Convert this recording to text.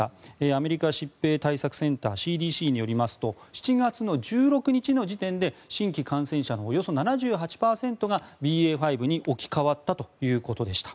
アメリカ疾病対策センター・ＣＤＣによりますと７月１６日時点で新規感染者のおよそ７８％がＢＡ．５に置き換わったということです。